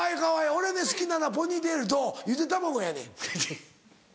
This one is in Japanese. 俺ね好きなのはポニーテールとゆで卵やねん。